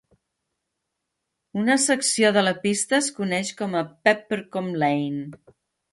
Una secció de la pista es coneix com a Peppercorn Lane.